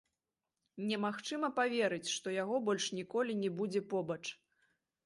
Немагчыма паверыць, што яго больш ніколі не будзе побач.